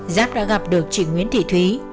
giáp đã gặp được chị nguyễn thị thúy